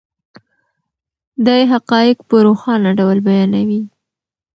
دی حقایق په روښانه ډول بیانوي.